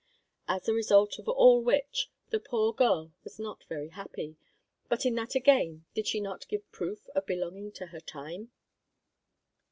As a result of all which, the poor girl was not very happy, but in that again did she not give proof of belonging to her time?